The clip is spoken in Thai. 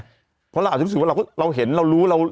เพราะเราอาจจะรู้สึกว่าเราเห็นเรารู้เรา